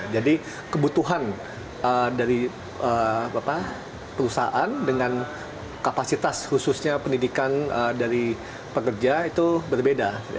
kebutuhan dari perusahaan dengan kapasitas khususnya pendidikan dari pekerja itu berbeda